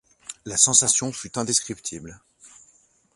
La sensation fut indescriptible.